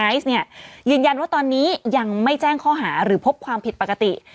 เนี่ยยืนยันว่าตอนนี้ยังไม่แจ้งข้อหาหรือพบความผิดปกติ